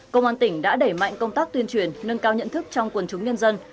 công an tỉnh đã đẩy mạnh công tác tuyên truyền nâng cao nhận thức trong quần chúng nhân dân